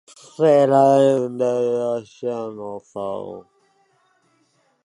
Den rätt som samebyn har är endast en rätt att utöva jakt och fiske.